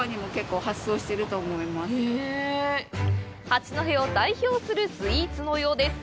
八戸を代表するスイーツのようです！